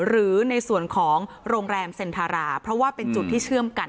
หรือในส่วนของโรงแรมเซ็นทาราเพราะว่าเป็นจุดที่เชื่อมกัน